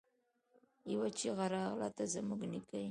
يوه چيغه راغله! ته زموږ نيکه يې!